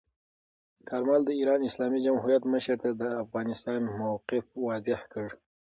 کارمل د ایران اسلامي جمهوریت مشر ته د افغانستان موقف واضح کړ.